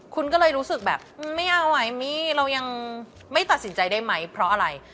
คุณก็เลยรู้สึกแบบไม่เอาไอมี่เรายังไม่ตัดสินใจได้ไหมเพราะอะไร